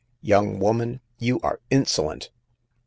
Young woman, you are insolent